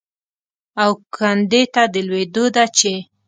او کندې ته د لوېدو ده چې